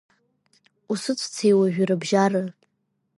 Усыцәцеи уажәи рыбжьара…